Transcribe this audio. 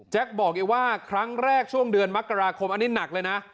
บอกอีกว่าครั้งแรกช่วงเดือนมกราคมอันนี้หนักเลยนะ